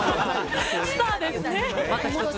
スターですね。